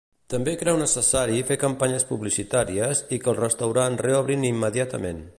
També creu necessari fer campanyes publicitàries i que els restaurants reobrin immediatament.